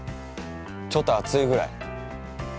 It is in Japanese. ちょっと熱いぐらい。